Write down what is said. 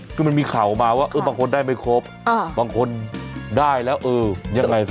คือมันมีข่าวออกมาว่าบางคนได้ไม่ครบบางคนได้แล้วเออยังไงซะ